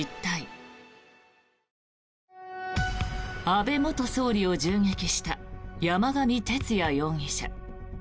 安倍元総理を銃撃した山上徹也容疑者。